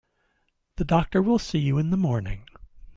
The doctor will see you in the morning.